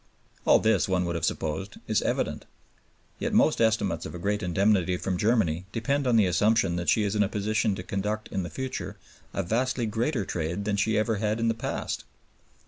All this, one would have supposed, is evident. Yet most estimates of a great indemnity from Germany depend on the assumption that she is in a position to conduct in the future a vastly greater trade than ever she has had in the past.